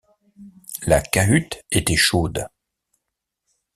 La cahute était chaude.